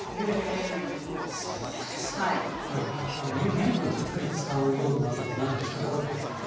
ミルクたっぷり使うようになったのって何かきっかけがあったんですか？